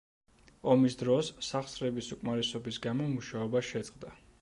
ომის დროს, სახსრების უკმარისობის გამო, მუშაობა შეწყდა.